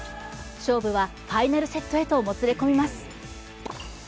勝負は、ファイナルセットへともつれ込みます。